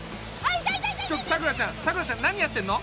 ちょっとさくらちゃんさくらちゃん何やってんの？